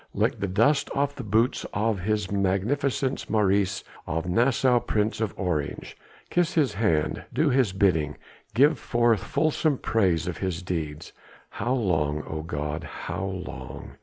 lick the dust off the boots of His Magnificence Maurice of Nassau Prince of Orange! kiss his hand, do his bidding! give forth fulsome praise of his deeds!... How long, O God? how long?"